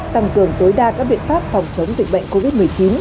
tăng cường tối đa các biện pháp phòng chống dịch bệnh covid một mươi chín